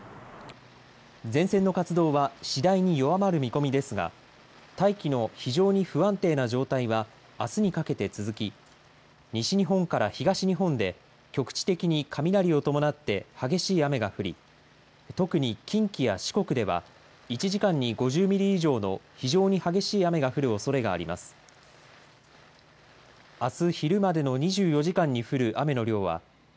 前線の活動は次第に弱まる見込みですが、大気の非常に不安定な状態はあすにかけて続き、西日本から東日本で局地的に雷を伴って激しい雨が降り、特に近畿や四国では１時間に５０ミリ以上の非常に激しい雨が降るおそれがあります。